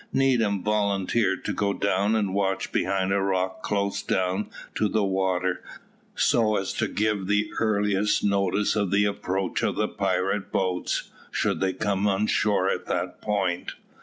Needham volunteered to go down and watch behind a rock close down to the water, so as to give the earliest notice of the approach of the pirate boats, should they come on shore at that point.